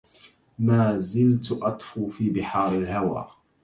ما زلت أطفو في بحار الهوى